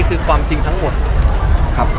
คือความจริงทั้งหมดครับ